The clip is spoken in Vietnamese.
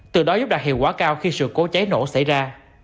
từ đó giúp đạt hiệu quả cao khi sự cố cháy nổ xảy ra